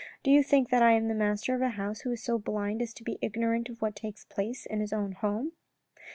Do you think that I am the master of a house who is so blind as to be ignorant of what takes place in his own home."